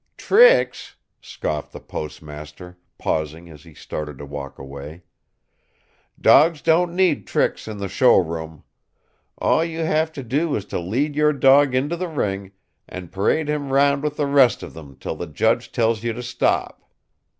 "Tricks?" scoffed the postmaster, pausing as he started to walk away. "Dogs don't need tricks in the show ring. All you have to do is to lead your dog into the ring, and parade him round with the rest of them till the judge tells you to stop.